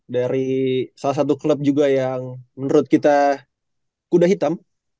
dari salah satu klub juga yang menurut kita kuda hitam